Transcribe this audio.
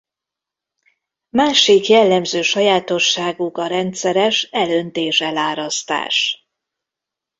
Másik jellemző sajátosságuk a rendszeres elöntés–elárasztás.